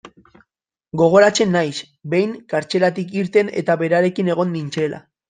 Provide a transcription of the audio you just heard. Gogoratzen naiz, behin, kartzelatik irten eta berarekin egon nintzela.